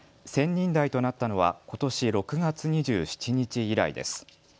１０００人台となったのはことし６月２７日以来です。